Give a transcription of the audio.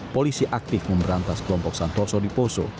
polisi aktif memberantas kelompok santoso di poso